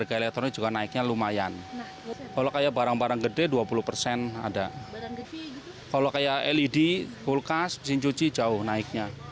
kalau kayak led kulkas mesin cuci jauh naiknya